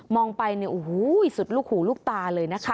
มองไปสุดลูกหูลูกตาเลยนะคะ